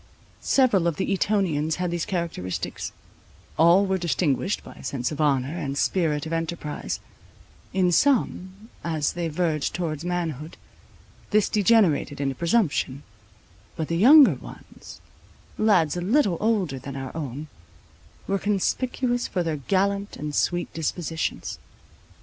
Several of the Etonians had these characteristics; all were distinguished by a sense of honour, and spirit of enterprize; in some, as they verged towards manhood, this degenerated into presumption; but the younger ones, lads a little older than our own, were conspicuous for their gallant and sweet dispositions.